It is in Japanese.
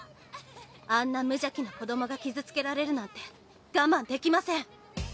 あんな無邪気な子どもが傷つけられるなんて我慢できません。